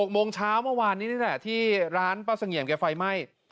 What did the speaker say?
โมงเช้าเมื่อวานนี้นี่แหละที่ร้านป้าเสงี่ยมแกไฟไหม้